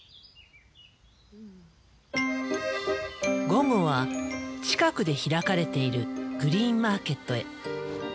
午後は近くで開かれているグリーンマーケットへ。